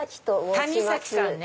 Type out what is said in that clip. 谷崎さんね。